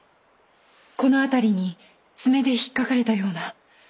この辺りに爪でひっかかれたような。